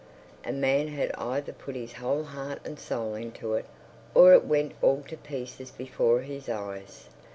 A man had either to put his whole heart and soul into it, or it went all to pieces before his eyes....